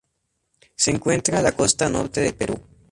Se encuentra la costa norte del Perú.